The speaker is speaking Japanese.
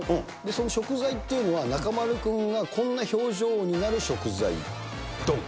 その食材っていうのは、中丸君がこんな表情になる食材、どん。